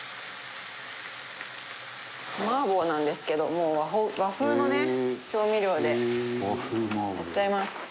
麻婆なんですけどもう和風のね調味料でやっちゃいます。